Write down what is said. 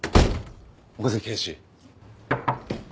岡崎警視。